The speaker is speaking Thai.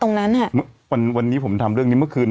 ตรงนั้นวันนี้ผมทำเนี้ยเมื่อคืน